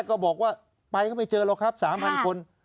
คิดว่าไปก็ไม่เจอเราครับ๓๐๐๐คน